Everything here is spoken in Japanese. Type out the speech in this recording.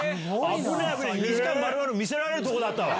２時間まるまる見せられるところだったわ。